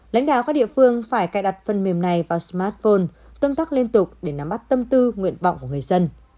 lãnh đạo các địa phương phải cài đặt phần mềm này vào smartphone tương tác liên tục để nắm bắt tâm tư nguyện vọng của người dân